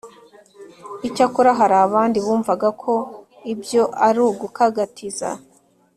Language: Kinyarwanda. Icyakora hari abandi bumvaga ko ibyo ari ugukagatiza